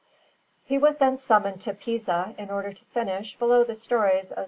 He was then summoned to Pisa in order to finish, below the stories of S.